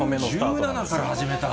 １７から始めたんだ。